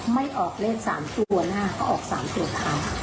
ไม่ออกเลข๓ตัวหน้าก็ออก๓ตัวเขา